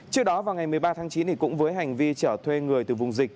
trước đó vào ngày một mươi ba tháng chín cũng với hành vi chở thuê người từ vùng dịch